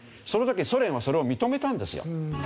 その時ソ連はそれを認めたんですよ。